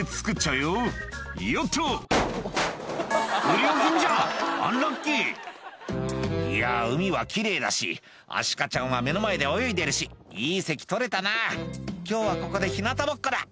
不良品じゃんアンラッキー「いや海は奇麗だしアシカちゃんは目の前で泳いでるしいい席取れたな今日はここで日なたぼっこだ」